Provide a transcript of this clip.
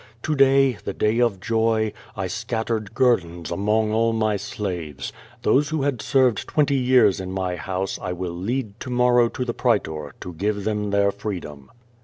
To day, the day of joy, I scattered guer dons among all my slaves. Those who liad served twenty years in my house I will lead to morrow to the praetor, to give them their freedom.